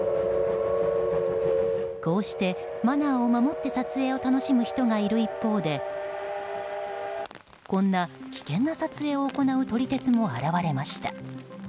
こうしたマナーを守って撮影を楽しむ人がいる一方でこんな危険な撮影を行う撮り鉄も現れました。